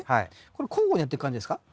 これ交互にやっていく感じですか？